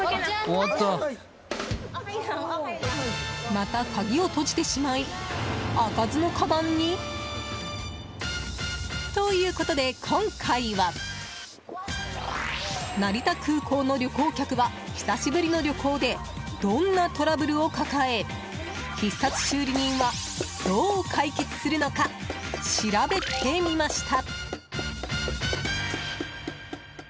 また鍵を閉じてしまい開かずのかばんに？ということで、今回は成田空港の旅行客は久しぶりの旅行でどんなトラブルを抱え必殺修理人は、どう解決するのか調べてみました。